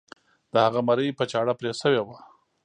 د هغه مرۍ په چاړه پرې شوې وه.